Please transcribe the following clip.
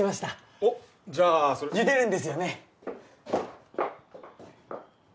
おッじゃあそれゆでるんですよね